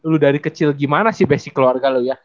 lu dari kecil gimana sih basic keluarga lo ya